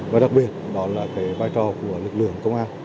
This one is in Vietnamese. và đặc biệt đó là cái vai trò của lực lượng công an